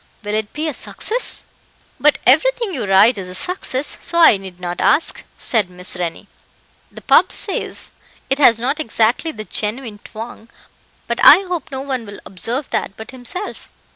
"Will it be a success? But everything you write is a success, so I need not ask," said Miss Rennie. "The pub. says it has not exactly the genuine twang, but I hope no one will observe that but himself.